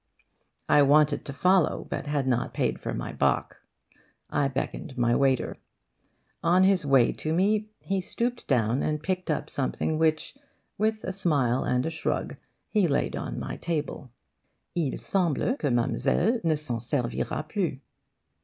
I wanted to follow, but had not paid for my bock. I beckoned my waiter. On his way to me he stooped down and picked up something which, with a smile and a shrug, he laid on my table: 'Il semble que Mademoiselle ne s'en servira plus.